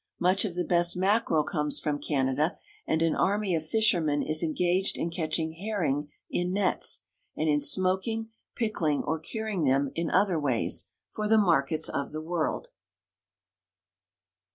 Much of the best mackerel comes from Canada, and an army of fishermen is engaged in catching herring in nets, and in smoking, pickling, or curing them in other ways, for the markets of the world.